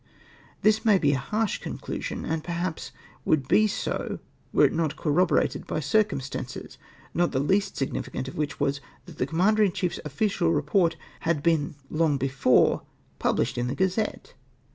This may be a harsh conclusion, and perhaps would be so were it not cor roborated by circumstances, not the least significant of which was, that the Commander in chief's official report had been long before published in the Gazette!